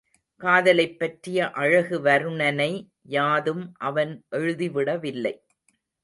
காதலைப்பற்றிய அழகு வருணனை யாதும் அவன் எழுதிவிடவில்லை.